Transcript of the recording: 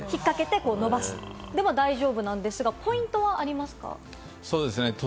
タオルで引っ掛けて伸ばすでも大丈夫なんですが、ポイントはありますか？